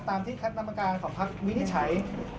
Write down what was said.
ตามที่คัดนำการของพรรควินิชัย